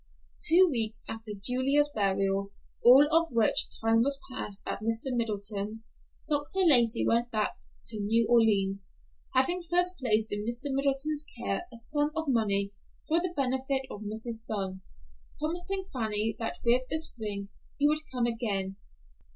Two weeks after Julia's burial, all of which time was passed at Mr. Middleton's, Dr. Lacey went back to New Orleans, having first placed in Mr. Middleton's care a sum of money for the benefit of Mrs. Dunn, promising Fanny that with the spring he would come again.